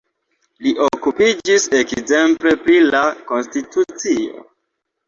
Li okupiĝis ekzemple pri la konstitucio.